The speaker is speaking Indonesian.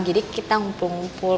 jadi kita ngumpul ngumpul